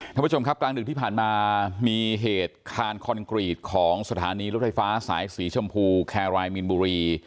ท่านผู้ชมครับกลางดึกที่ผ่านมามีเหตุคานคอนกรีตของสถานีรถไฟฟ้าสายสีชมพูแครายมีนบุรี